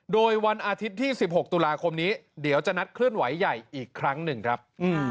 โดยวันอาทิตย์ที่๑๖ตุลาคมนี้เดี๋ยวจะนัดเคลื่อนไหวใหญ่อีกครั้งหนึ่งครับ